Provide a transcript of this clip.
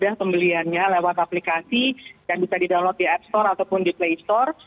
sudah pembeliannya lewat aplikasi yang bisa di download di app store ataupun di play store